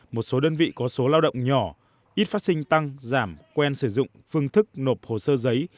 một số đơn vị có số lao động nhỏ ít phát sinh tăng giảm quen sử dụng phương thức nộp hồ sơ giấy